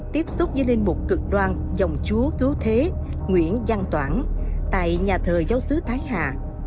tiếp xúc với lên một cực đoan dòng chúa cứu thế nguyễn giang toản tại nhà thờ giáo sứ thái hà